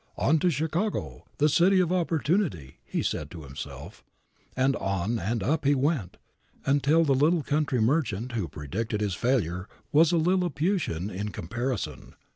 "On to Chicago, the City of Opportunity," he said to himself, and on and up he went until the little country merchant who predicted his failure was a Lilliputian in comparison.